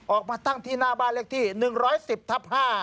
ออกมาตั้งที่หน้าบ้านเลขที่๑๑๐ทับ๕